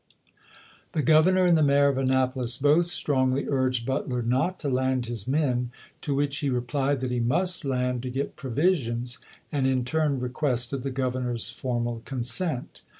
The Governor and the Mayor of Annapolis both strongly lu'ged Butler not to land his men ; to which he re plied that he must land to get provisions, and in turn requested the Governor's formal consent.